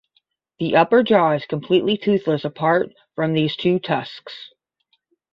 The upper jaw is completely toothless apart from these two tusks.